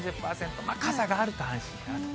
傘があると安心かなと。